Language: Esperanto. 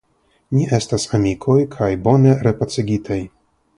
Ni estas amikoj kaj bone repacigitaj.